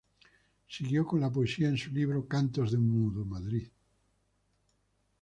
Siguió con la poesía en su libro "Cantos de un mudo," Madrid: Imp.